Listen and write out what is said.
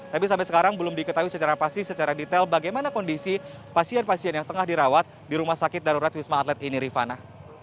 tapi sampai sekarang belum diketahui secara pasti secara detail bagaimana kondisi pasien pasien yang tengah dirawat di rumah sakit darurat wisma atlet ini rifana